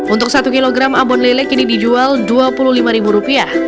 untuk satu kg abon lele kini dijual dua puluh lima ribu rupiah